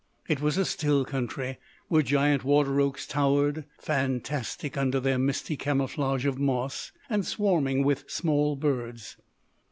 It was a still country, where giant water oaks towered, fantastic under their misty camouflage of moss, and swarming with small birds.